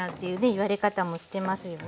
言われ方もしてますよね。